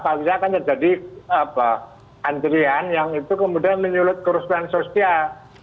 kalau tidak akan jadi antrian yang itu kemudian menyulut kerusuhan sosial